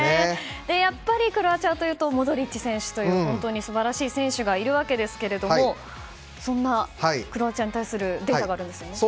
やっぱりクロアチアというとモドリッチ選手という本当に素晴らしい選手がいるわけですがそんなクロアチアに対するデータがあるんですよね。